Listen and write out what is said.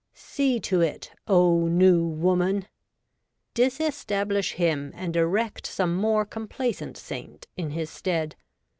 See to it, O New Woman ! Disestablish him, and erect some more complaisant saint in his stead.